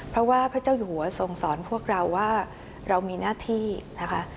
เพราะว่าพระเจ้าอยู่หัวทรงสอนพวกเราว่าเรามีหน้าที่นะคะ